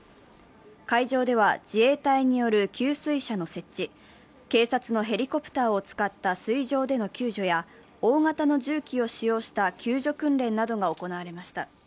会場では、自衛隊による給水車の設置、警察のヘリコプターを使った水上での救助や大型の重機を使用した救助訓練などが行われました。